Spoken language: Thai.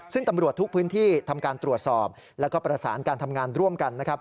ซึ่งตำรวจทุกพื้นที่ทำการตรวจสอบแล้วก็ประสานการทำงานร่วมกันนะครับ